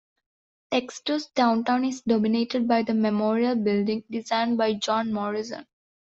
Dexter's downtown is dominated by the Memorial Building, designed by John Morrison.